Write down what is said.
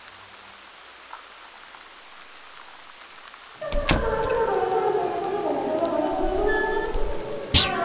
「サバラバラバラバラバラバラバラバラバラバラバラバラバラバラバラ」ハロー！